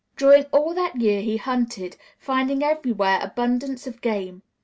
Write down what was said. During all that year he hunted, finding everywhere abundance of game.